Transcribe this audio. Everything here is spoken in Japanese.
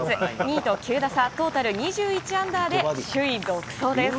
２位と９打差、トータル２１アンダーで首位独走です。